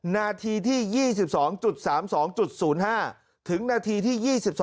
นาทีที่๒๒๓๒๐๕ถึงนาทีที่๒๒